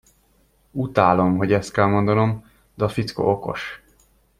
Utálom, hogy ezt kell mondanom, de a fickó okos.